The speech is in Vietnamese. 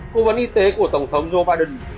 cố vấn y tế của tổng thống joe biden